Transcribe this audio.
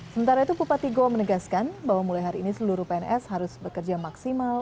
sementara itu bupati goa menegaskan bahwa mulai hari ini seluruh pns harus bekerja maksimal